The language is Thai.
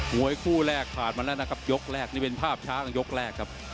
วยคู่แรกผ่านมาแล้วนะครับยกแรกนี่เป็นภาพช้างยกแรกครับ